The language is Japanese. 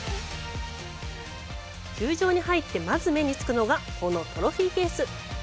球場に入って、まず目につくのが、このトロフィーケース。